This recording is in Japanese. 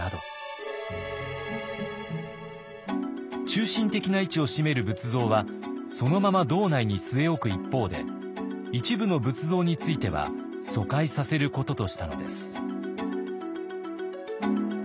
中心的な位置を占める仏像はそのまま堂内に据え置く一方で一部の仏像については疎開させることとしたのです。